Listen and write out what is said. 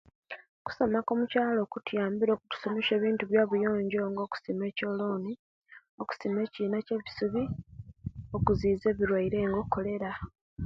Okusoma okwo'mukyaalo kutuyambire okutusomesya ebintu ebyobuyonjo nga okusima ekyolooni okusima ekina ekyebisubi okuziza ebilwaire nga kolera